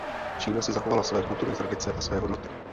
Čína si zachovala své kulturní tradice a své hodnoty.